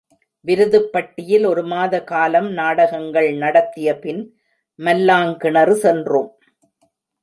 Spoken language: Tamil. விருதுப்பட்டியில் ஒரு மாத காலம் நாடகங்கள் நடத்தியபின் மல்லாங்கிணறு சென்றோம்.